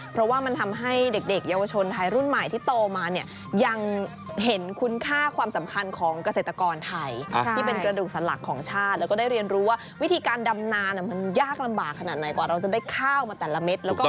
เพราะว่ามันทำให้เด็กเยาวชนไทยรุ่นใหม่ที่โตมาเนี่ยยังเห็นคุณค่าความสำคัญของเกษตรกรไทยที่เป็นกระดูกสันหลักของชาติแล้วก็ได้เรียนรู้ว่าวิธีการดำนานมันยากลำบากขนาดไหนกว่าเราจะได้ข้าวมาแต่ละเม็ดแล้วก็